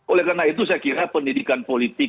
oleh karena itu saya kira pendidikan politik